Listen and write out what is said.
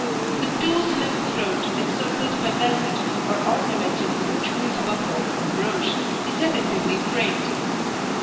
The too slim throat encircled by velvet or ornamented with a jewelled buckle or brooch is effectively framed.